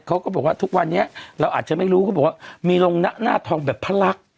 เขาก็บอกว่าทุกวันนี้เราอาจจะไม่รู้เขาบอกว่ามีลงหน้าทองแบบพระลักษณ์